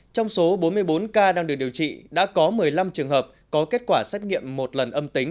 trong số bốn mươi bốn ca đang được điều trị đã có một mươi năm trường hợp có kết quả xét nghiệm một lần âm tính